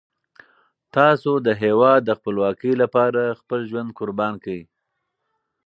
تاسو د هیواد د خپلواکۍ لپاره خپل ژوند قربان کړئ.